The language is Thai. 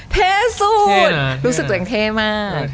เท่สุดรู้สึกตัวเองเท่มาก